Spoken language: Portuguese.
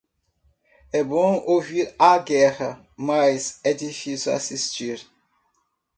É bom ouvir a guerra, mas é difícil assistir.